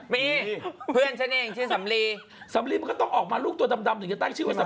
มีเพื่อนชั้นเองคือสำลีเสมือนต้องออกมาตกดำจะแบงค์ชื่อสำลี